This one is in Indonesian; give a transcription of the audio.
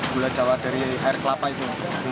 gula jawa dari air kelapa itu